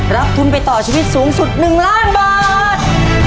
รับทุนไปต่อชีวิตสูงสุด๑ล้านบาท